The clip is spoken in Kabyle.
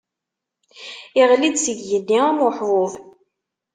Iɣli-d seg igenni am uḥbub.